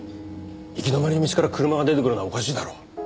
行き止まりの道から車が出てくるのはおかしいだろ。